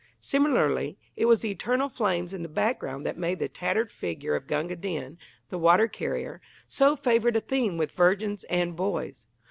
Similarly, it was the eternal flames in the background that made the tattered figure of Gunga Din, the water carrier, so favourite a theme with virgins and boys.